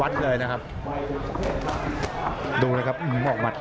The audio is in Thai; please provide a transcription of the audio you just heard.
อัศวินาศาสตร์อัศวินาศาสตร์